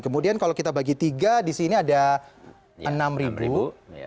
kemudian kalau kita bagi tiga disini ada enam ribu